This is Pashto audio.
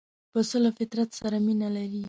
پسه له فطرت سره مینه لري.